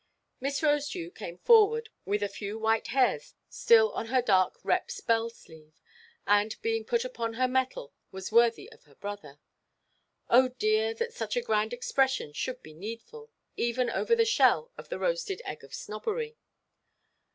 Miss Rosedew came forward, with a few white hairs still on her dark "reps" bell–sleeve, and, being put upon her mettle, was worthy of her brother. Oh dear, that such a grand expression should be needful, even over the shell of the roasted egg of snobbery!